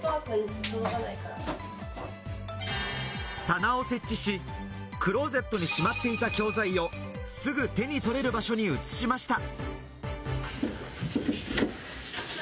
棚を設置し、クローゼットにしまっていた教材をすぐ手に取れる場所に移しました。